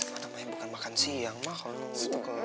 mana maya bukan makan siang ma kalau enggak gitu kelar